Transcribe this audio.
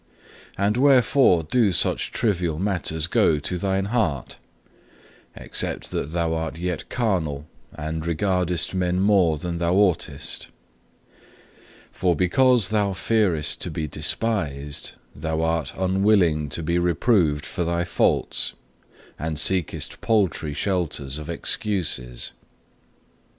And wherefore do such trivial matters go to thine heart, except that thou art yet carnal, and regardest men more than thou oughtest? For because thou fearest to be despised, thou art unwilling to be reproved for thy faults, and seekest paltry shelters of excuses. 2.